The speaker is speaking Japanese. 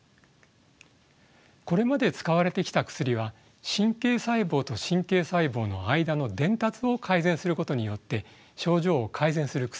これまで使われてきた薬は神経細胞と神経細胞の間の伝達を改善することによって症状を改善する薬です。